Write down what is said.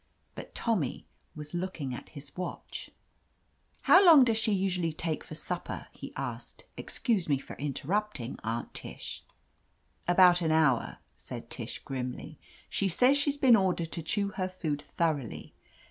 But Tommy was looking at his watch. "How long does she usually take for sup per?" he asked. "Excuse me for interrupting. Aunt Tish." 119 <r tf<l THE AMAZING ADVENTURES "About an hour," said Tish grimly. "She says she's been ordered to chew her food thor oughly.